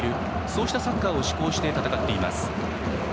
そうしたサッカーを試行して戦っています。